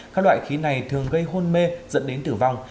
các loại khí này thường gây hôn mê dẫn đến tử vong